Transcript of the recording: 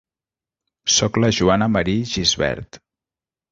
Soc la Joana Marí Gisbert.